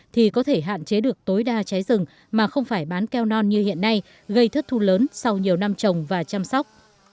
thì có thể hạn chế được tối đa cháy rừng mà không phải bán keo non như hiện nay gây thất thu lớn sau nhiều năm trồng và chăm sóc